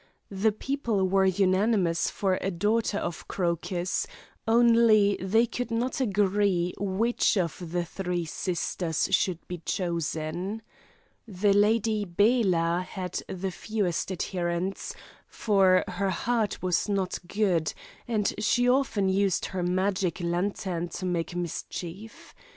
The people were unanimous for a daughter of Crocus, only they could not agree which of the three sisters should be chosen. The Lady Bela had the fewest adherents, for her heart was not good, and she often used her magic lantern to make mischief.